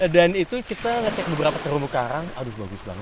dan itu kita ngecek beberapa terumbu karang aduh bagus banget